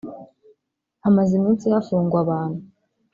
Hamaze iminsi hafungwa abantu